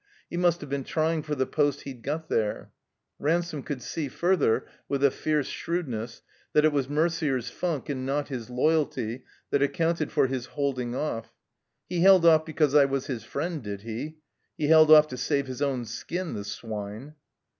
He must have been trying for the post he'd got there. Ransome could see further, with a fierce shrewdness, that it was Merder 's "funk" and not his loyalty that accounted for his "holding off." "He held off because I was his friend, did he? He hdd off to save his own skin, the swine!"